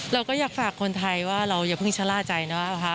เราก็อยากฝากคนไทยว่าเราอย่าเพิ่งชะล่าใจนะคะ